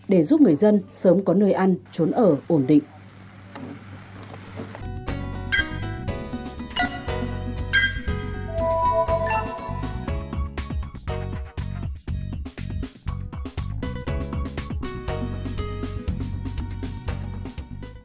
để giúp người dân sớm có nơi ăn trốn ở ổn định